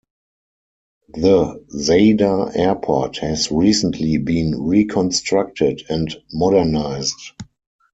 The Zadar Airport has recently been reconstructed and modernised.